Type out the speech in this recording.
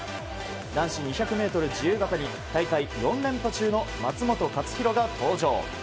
男子２００ｍ自由形に大会４連覇中の松元克央が登場。